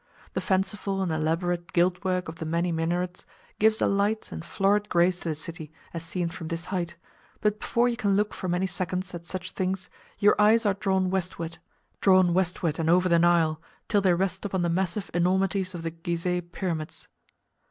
The fanciful and elaborate gilt work of the many minarets gives a light and florid grace to the city as seen from this height, but before you can look for many seconds at such things your eyes are drawn westward—drawn westward and over the Nile, till they rest upon the massive enormities of the Ghizeh Pyramids.